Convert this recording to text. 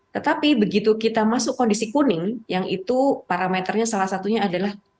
tetapi begitu kita masuk kondisi kuning yang itu parameternya salah satunya adalah